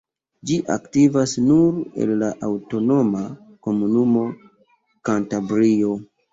Ĝi aktivas nur en la aŭtonoma komunumo Kantabrio.